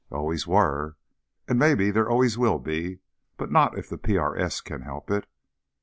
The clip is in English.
_ Always were. _And maybe there always will be—but not if the PRS can help it.